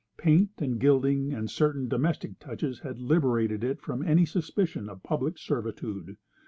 Paint and gilding and certain domestic touches had liberated it from any suspicion of public servitude.